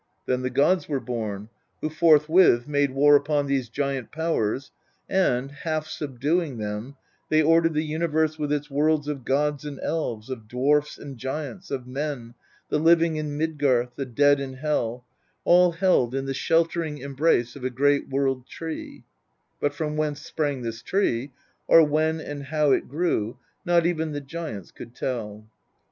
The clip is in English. Then the gods were born, who forthwith made war upon these giant powers, and, half subduing them, they ordered the universe with its worlds of gods and elves, of dwarfs and giants, of men the living in Midgarth, the dead in Hel, all held in the sheltering embrace of a great World Tree ; but from whence sprang this Tree, or when and how it grew, not even the giants could tell.